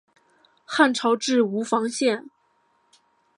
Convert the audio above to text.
汉朝置吴房县。